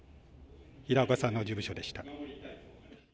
平岡さんの事務所でした。